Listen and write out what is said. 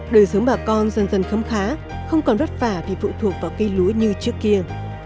đời sống bà con dần dần khấm khá không còn vất vả vì phụ thuộc vào cây lúa như trước kia